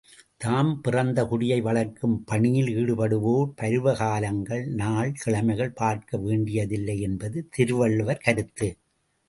தாம் பிறந்த குடியை வளர்க்கும் பணியில் ஈடுபடுவோர், பருவகாலங்கள் நாள், கிழமைகள் பார்க்க வேண்டியதில்லை என்பது திருவள்ளுவர் கருத்து.